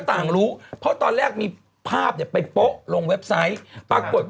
ต่างรู้เพราะตอนแรกมีภาพเนี่ยไปโป๊ะลงเว็บไซต์ปรากฏ